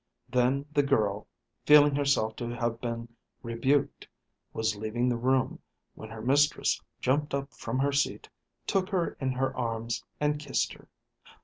Then the girl, feeling herself to have been rebuked, was leaving the room, when her mistress jumped up from her seat, took her in her arms, and kissed her.